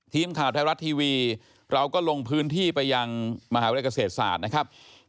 ทีมข่าวไทยรัฐทีวีเราก็ลงพื้นที่ไปยังมหาวิทยาลัยเกษตรศาสตร์นะครับ